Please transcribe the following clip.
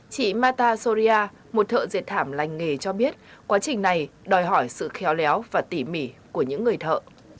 chị mata soria một thợ dệt thảm lành nghề cho biết quá trình này đòi hỏi sự khéo léo và tỉ mỉ của những người thợ